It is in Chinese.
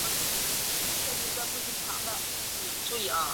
现在泰尼斯基花园作为克里姆林宫的一部分被列入世界文化遗产。